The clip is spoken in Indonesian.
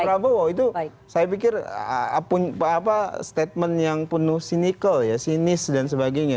jadi pak prabowo itu saya pikir statement yang penuh sinikal sinis dan sebagainya